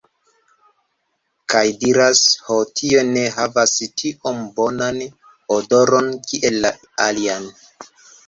Kaj diras, ho tio ne havas tiom bonan odoron kiel la alian